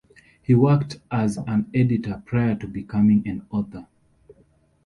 He worked as an editor prior to becoming an author.